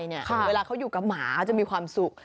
เวลาเขาอยู่กับหมาเขาจะมีความสุข